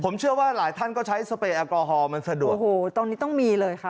ผมเชื่อว่าหลายท่านก็ใช้สเปรแอลกอฮอลมันสะดวกโอ้โหตรงนี้ต้องมีเลยค่ะ